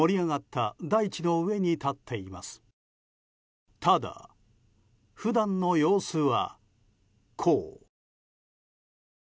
ただ、普段の様子はこう。